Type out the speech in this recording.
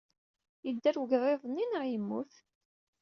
Yedder wegḍiḍ-nni neɣ yemmut?